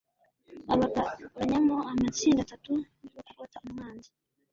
abagabanyamo amatsinda atatu yo kugota umwanzi